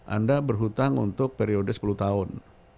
anda berhutang untuk periode sepuluh tahun